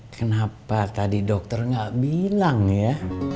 kenapa tadi dokter nggak bilang ya